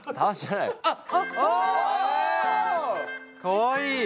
かわいい。